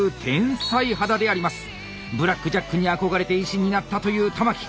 ブラック・ジャックに憧れて医師になったという玉木。